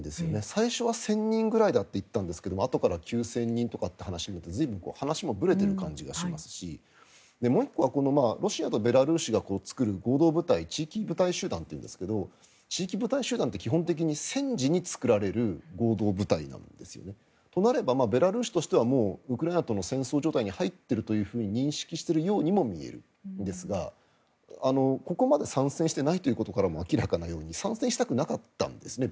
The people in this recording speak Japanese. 最初は１０００人くらいだと言っていたんですがあとから９０００人とか随分話もぶれてる感じもしますしもう１個はロシアとベラルーシが作る合同部隊地域部隊集団というんですが地域部隊集団って基本的に戦時に作られる合同部隊なんですね。となればベラルーシとしてはウクライナとの戦闘状態に入っていると認識しているようにも見えるんですがここまで参戦していないということからも明らかなように参戦したくなかったんですね